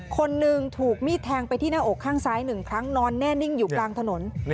คนหนึ่งถูกมีดแทงไปที่หน้าอกข้างซ้าย๑ครั้งนอนแน่นิ่งอยู่กลางถนน